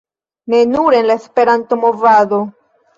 ... ne nur en la Esperanto-movado